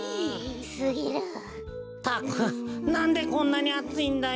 ったくなんでこんなにあついんだよ。